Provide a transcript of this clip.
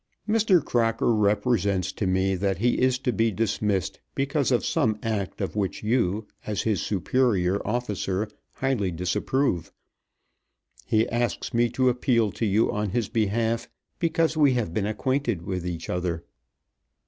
Mr. Crocker represents to me that he is to be dismissed because of some act of which you as his superior officer highly disapprove. He asks me to appeal to you on his behalf because we have been acquainted with each other.